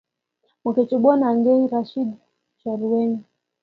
Mokechobon aengeny Rashid chorwenyu.